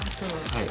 はい。